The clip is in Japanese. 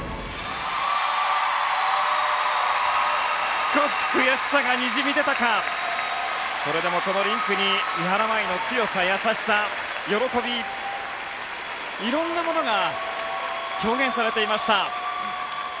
少し悔しさがにじみ出たかそれでもこのリンクに三原舞依の強さ、優しさ喜び、色んなものが表現されていました。